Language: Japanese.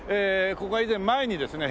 ここは以前前にですね